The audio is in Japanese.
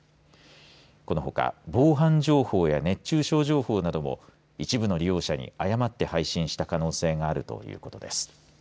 このほか防犯情報や熱中症情報なども一部の利用者に誤って配信した可能性があるということです。